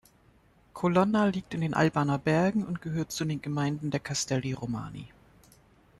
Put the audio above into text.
Colonna liegt in den Albaner Bergen und gehört zu den Gemeinden der Castelli Romani.